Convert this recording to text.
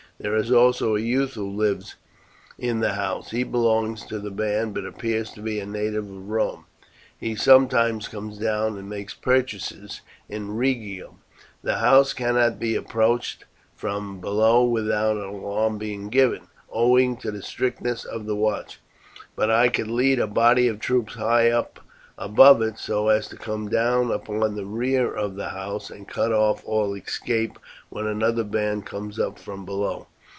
There is also a youth who lives in the house. He belongs to the band, but appears to be a native of Rome. He sometimes comes down and makes purchases in Rhegium. The house cannot be approached from below without an alarm being given, owing to the strictness of the watch; but I could lead a body of troops high up above it, so as to come down upon the rear of the house and cut off all escape when another band comes up from below.'